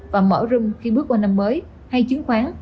và mở rưng khi bước qua năm mới hay chứng khoán